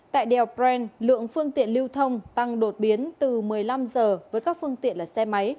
tại đèo bren lượng phương tiện lưu thông tăng đột biến từ một mươi năm giờ với các phương tiện là xe máy